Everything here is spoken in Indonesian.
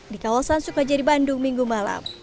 di kawasan sukajari bandung minggu malam